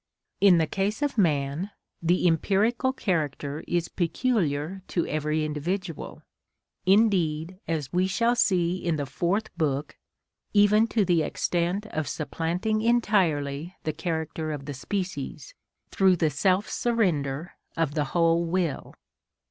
In the case of man, the empirical character is peculiar to every individual (indeed, as we shall see in the Fourth Book, even to the extent of supplanting entirely the character of the species, through the self surrender of the whole will).